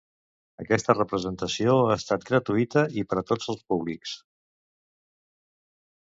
Aquesta representació ha estat gratuïta i per a tots el públics.